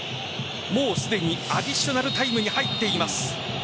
もうすでにアディショナルタイムに入っています。